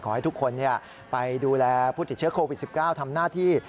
ขอให้ทุกคนไปดูแลผู้ติดเชื้อโควิด๑๙ทำหน้าที่